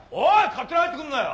勝手に入ってくるなよ！